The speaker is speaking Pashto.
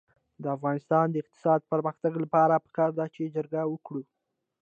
د افغانستان د اقتصادي پرمختګ لپاره پکار ده چې جرګه وکړو.